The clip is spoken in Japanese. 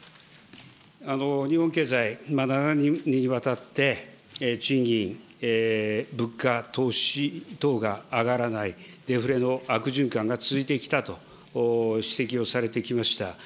日本経済、長年にわたって賃金、物価、投資等が上がらない、デフレの悪循環が続いてきたと指摘をされてきました。